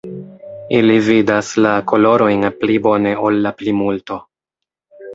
Ili vidas la kolorojn pli bone ol la plimulto.